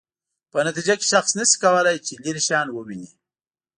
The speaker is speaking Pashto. په نتیجه کې شخص نشي کولای چې لیرې شیان وویني.